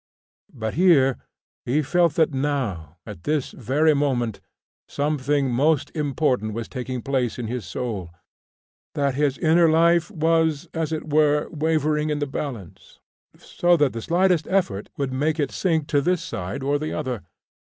But here he felt that now, at this very moment, something most important was taking place in his soul that his inner life was, as it were, wavering in the balance, so that the slightest effort would make it sink to this side or the other.